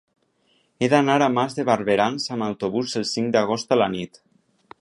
He d'anar a Mas de Barberans amb autobús el cinc d'agost a la nit.